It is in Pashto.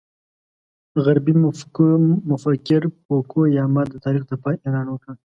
غربي مفکر فوکو یاما د تاریخ د پای اعلان وکړ.